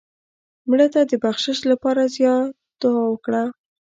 مړه ته د بخشش لپاره زیات دعا وکړه